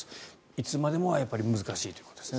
いつまでもはやっぱり難しいということですね。